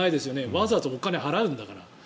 わざわざお金を払うんだから。